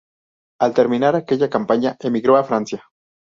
Al terminar aquella campaña, emigró a Francia.